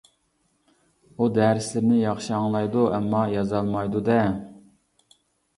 ئۇ دەرىسلىرىنى ياخشى ئاڭلايدۇ ، ئەمما يازالمايدۇدە.